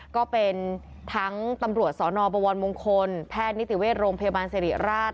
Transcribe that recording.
ก็เป็นทั้งตำรวจสนบวรมงคลแพทย์นิติเวชโรงพยาบาลสิริราช